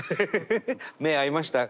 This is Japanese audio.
目合いました？